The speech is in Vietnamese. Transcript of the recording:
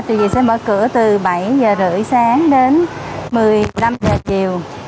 tuy nhiên sẽ mở cửa từ bảy h ba mươi sáng đến một mươi năm h chiều